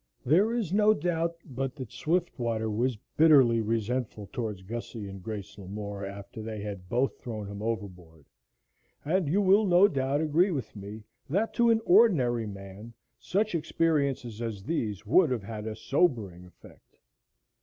There is no doubt but that Swiftwater was bitterly resentful towards Gussie and Grace Lamore after they had both thrown him overboard, and you will no doubt agree with me that to an ordinary man such experiences as these would have had a sobering effect.